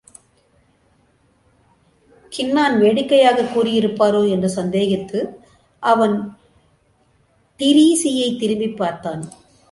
கின்னான் வேடிக்கையாக் கூறியிருப்பாரோ என்று சந்தேகித்து அவன் டிரீஸியைத் திரும்பிப் பார்த்தான்.